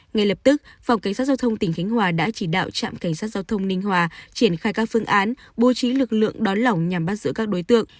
ngay lập tức phòng cảnh sát giao thông tỉnh khánh hòa đã chỉ đạo trạm cảnh sát giao thông ninh hòa triển khai các phương án bố trí lực lượng đón lỏng nhằm bắt giữ các đối tượng